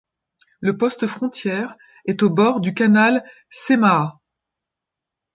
Le poste frontière est au bord du Canal Saimaa.